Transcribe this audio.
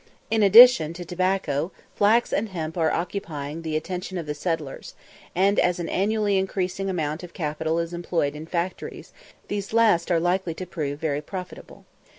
In addition to tobacco, flax and hemp are occupying the attention of the settlers; and as an annually increasing amount of capital is employed in factories, these last are likely to prove very profitable.